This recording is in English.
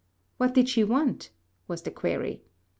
What did she want? was the query.